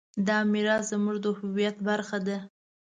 دا میراث زموږ د هویت برخه ده.